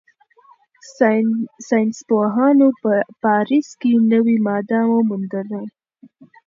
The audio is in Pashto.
ساینسپوهانو په پاریس کې نوې ماده وموندله.